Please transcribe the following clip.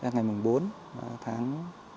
ngày bốn tháng hai